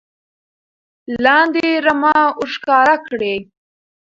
لاندې رمه ور ښکاره کړي